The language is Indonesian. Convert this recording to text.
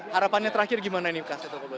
harapannya terakhir gimana ini pak seto